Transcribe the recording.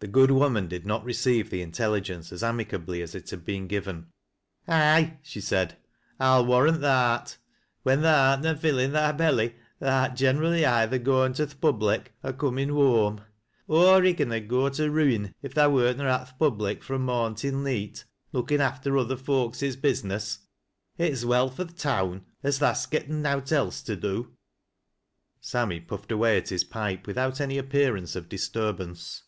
The good woman did not receive the intelligence as amicably as it had been given. " Aye," she said, " I'll warrant tha art. When tha ai1 na fillin' thy belly tha art generally either goin' to th' Public, or comin' whoam. Aw Riggan nd go to ruin li tlia wert n& at th' Public fro' morn till ncet looking aftei other folkses business. It's well for th' toun as tha'st gel {en nowt else to do." Sammy puffed away at his pipe, without any appear ance of disturbance.